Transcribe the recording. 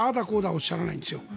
おっしゃらないんですよ。